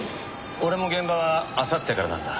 俺も現場はあさってからなんだ。